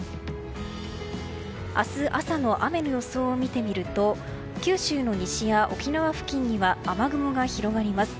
明日朝の雨の予想を見てみると九州の西や沖縄付近には雨雲が広がります。